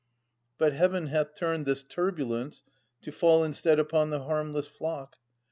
But Heaven hath turned this turbulence , To fall instead upon the harmless flock.